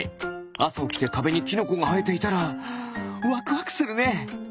あさおきてかべにキノコがはえていたらワクワクするね！